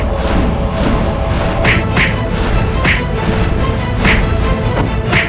baiklah aku akan memnotifikasinya